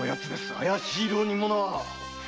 怪しい浪人者は。